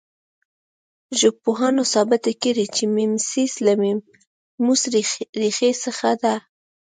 ژبپوهانو ثابته کړې چې میمیسیس له میموس ریښې څخه دی